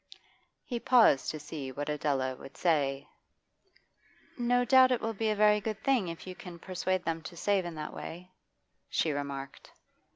He paused to see what Adela would say. 'No doubt it will be a very good thing if you can persuade them to save in that way,' she remarked.